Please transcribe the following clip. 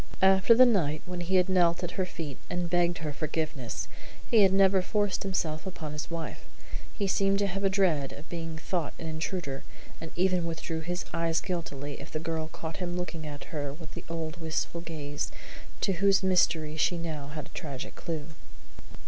After the night when he had knelt at her feet and begged her forgiveness he had never forced himself upon his wife. He seemed to have a dread of being thought an intruder, and even withdrew his eyes guiltily if the girl caught him looking at her with the old wistful gaze to whose mystery she had now a tragic clue.